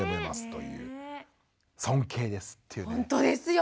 ほんとですよ